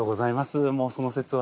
もうその節は。